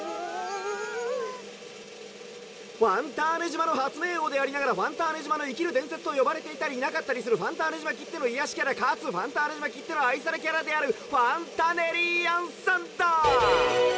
「ファンターネ島の発明王でありながらファンターネ島の生きる伝説と呼ばれていたりいなかったりするファンターネ島きっての癒やしキャラかつファンターネ島きっての愛されキャラであるファンタネリアンさんだ！」。